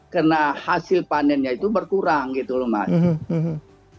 karena hasil panennya itu berkurang gitu loh mas